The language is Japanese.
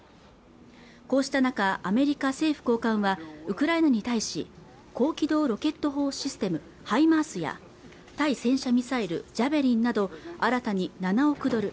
こうした中アメリカ政府高官はウクライナに対し高機動ロケット砲システムハイマースや対戦車ミサイルジャベリンなど新たに７億ドル